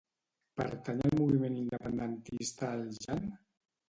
Pertany al moviment independentista el Jan?